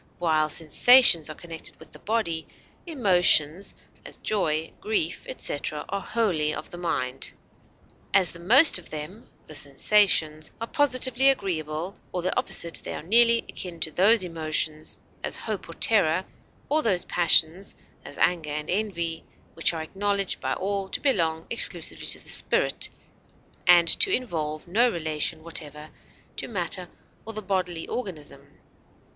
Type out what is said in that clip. While sensations are connected with the body, emotions, as joy, grief, etc., are wholly of the mind. "As the most of them [the sensations] are positively agreeable or the opposite, they are nearly akin to those emotions, as hope or terror, or those passions, as anger and envy, which are acknowledged by all to belong exclusively to the spirit, and to involve no relation whatever to matter or the bodily organism.